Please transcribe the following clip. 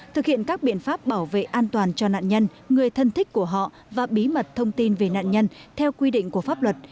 thực hiện các biện pháp bảo vệ an toàn cho nạn nhân người thân thích của họ và bí mật thông tin về nạn nhân theo quy định của pháp luật